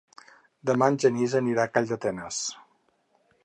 Demà en Genís anirà a Calldetenes.